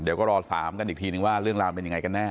เดี๋ยวก็รอ๓กันอีกทีนึงว่าเรื่องราวเป็นยังไงกันแน่